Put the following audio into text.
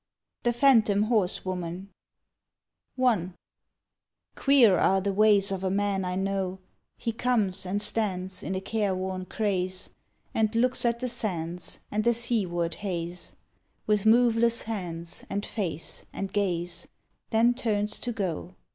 THE PHANTOM HORSEWOMAN I QUEER are the ways of a man I know: He comes and stands In a careworn craze, And looks at the sands And the seaward haze, With moveless hands And face and gaze, Then turns to go